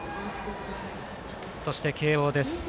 そして慶応です。